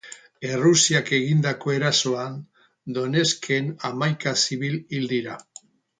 Errusiak egindako erasoan, Donetsken hamaika zibil hil dira.